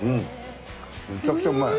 めちゃくちゃうまい。